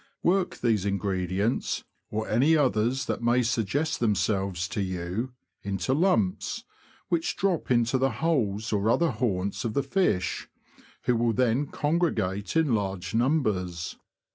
Work these ingredients, or any others that may suggest themselves to you, into lumps, which drop into the holes or other haunts of the fish, who will then congregate in large numbers.